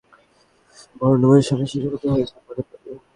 কিন্তু গায়ের রঙের কারণে তাঁকেও বর্ণবৈষম্যের শিকার হতে হয়েছে পদে পদে।